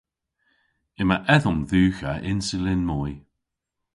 Yma edhom dhywgh a insulin moy.